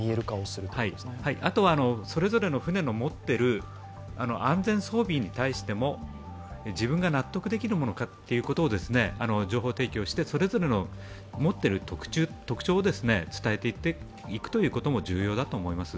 あとはそれぞれの船の持っている安全装備に対しても自分が納得できるものかということを情報提供して、それぞれの持っている特徴を伝えていくことも重要だと思います。